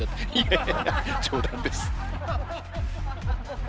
いやいや冗談です。